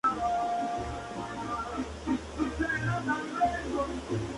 Esta etapa fue bastante dura para Le Beau.